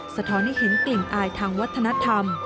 สะท้อนให้เห็นกลิ่นอายทางวัฒนธรรม